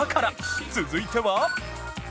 続いては